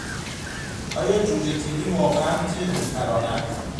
آیا جوجهتیغی واقعا تیغ میپراند؟